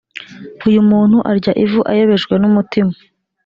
Uyu muntu arya ivu ayobejwe n umutima